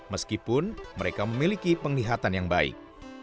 meskipun mereka memiliki penglihatan yang baik